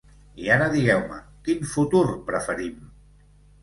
I ara digueu-me, quin futur preferim?